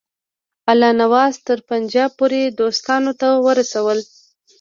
الله نواز تر پنجاب پوري دوستانو ته ورسول.